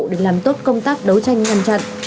để làm tốt công tác đấu tranh ngăn chặn